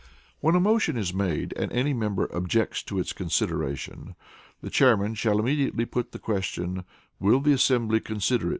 When a motion is made and any member "objects to its consideration," the Chairman shall immediately put the question, "Will the assembly consider it?"